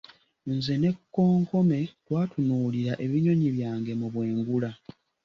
Nze n'ekonkome, twatutunulira ebinyonyi byange mu bwengula.